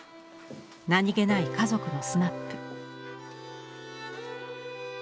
何気ない家族のスナップ。